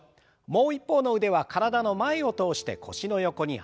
もう一方の腕は体の前を通して腰の横にあてます。